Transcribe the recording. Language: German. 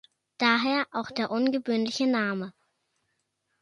Daher auch der ungewöhnliche Name.